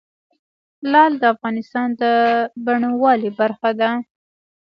لعل د افغانستان د بڼوالۍ برخه ده.